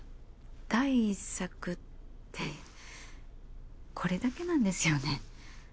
第１作ってこれだけなんですよね。